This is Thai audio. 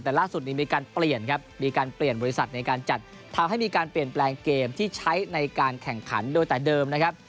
แต่ล่าสุดนี้มีการเปลี่ยนครับมีการเปลี่ยนบริษัทในการจัดทำให้มีการเปลี่ยนแปลงเกมที่ใช้ในการแข่งขันโดยแต่เดิมนะครับ